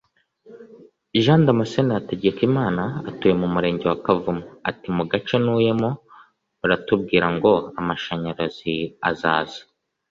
Jean Damascène Hategekimana utuye murenge wa Kavumu ati “Mu gace ntuyemo baratubwiye ngo amashanyarazi azaza